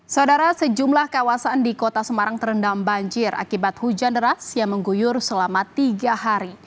saudara sejumlah kawasan di kota semarang terendam banjir akibat hujan deras yang mengguyur selama tiga hari